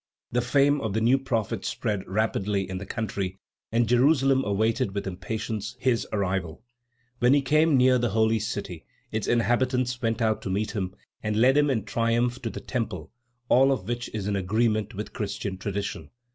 The fame of the new prophet spread rapidly in the country, and Jerusalem awaited with impatience his arrival. When he came near the holy city, its inhabitants went out to meet him, and led him in triumph to the temple; all of which is in agreement with Christian tradition.